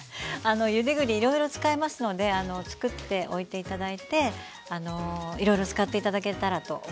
ゆで栗いろいろ使えますのでつくっておいて頂いていろいろ使って頂けたらと思います。